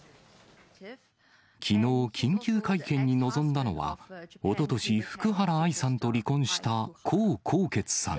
きのう、緊急会見に臨んだのは、おととし、福原愛さんと離婚した江宏傑さん。